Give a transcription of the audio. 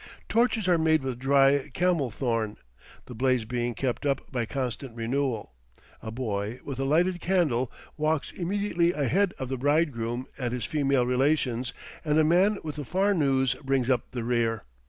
Torches are made with dry camelthorn, the blaze being kept up by constant renewal; a boy, with a lighted candle, walks immediately ahead of the bridegroom and his female relations, and a man with a farnooze brings up the rear.